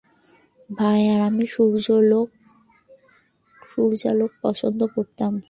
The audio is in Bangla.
ভাই আর আমি সূর্যালোক পছন্দ করতাম।